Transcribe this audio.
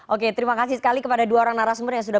oke terima kasih sekali kepada dua orang narasumber yang sudah